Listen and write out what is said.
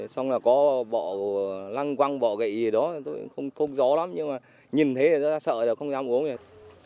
xong là có bọ lăng quăng bọ gậy gì đó không gió lắm nhưng mà nhìn thế là sợ không dám uống được